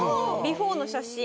ビフォーの写真。